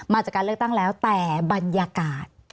จากการเลือกตั้งแล้วแต่บรรยากาศ